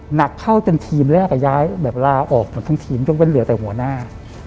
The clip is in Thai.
หนักเข้าจนทีมแรกย้ายแบบลาออกหมดทั้งทีมยกเว้นเหลือแต่หัวหน้า